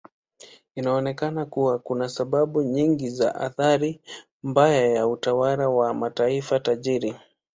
Inaonekana kuwa kuna sababu nyingi za athari mbaya ya utawala wa mataifa tajiri.